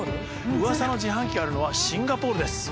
うわさの自販機があるのはシンガポールです。